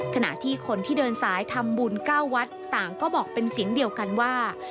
ขณะที่คนที่เดินสายทำบุญ๙วัดต่างก็บอกเป็นเสียงเดียวกันว่า